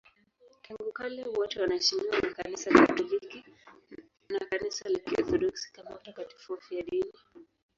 Tangu kale wote wanaheshimiwa na Kanisa Katoliki na Kanisa la Kiorthodoksi kama watakatifu wafiadini.